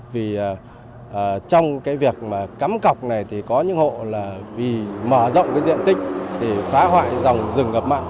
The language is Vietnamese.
vì trong việc cắm cọc này thì có những hộ vì mở rộng diện tích để phá hoại rồng rừng ngập mặn